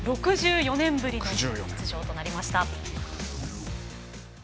６４年ぶりの出場となりました。